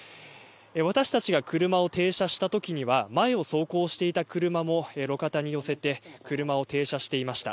私たちが車を停車したときには前を走行してた車も路肩に寄せて車を停車していました。